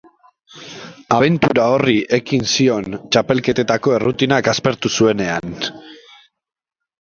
Abentura horri ekin zion txapelketetako errutinak aspertu zuenean.